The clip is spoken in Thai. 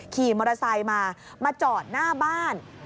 ขี่มอเตอร์ไซค์มามาจอดหน้าบ้าน